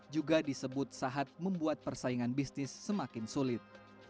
juga disebut sahat membuat persaingan bisnis semakin sulit